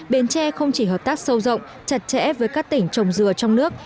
bến tre không chỉ hợp tác sâu rộng chặt chẽ với các tỉnh trồng dừa trong nước